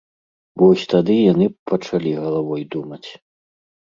Вось тады яны б пачалі галавой думаць.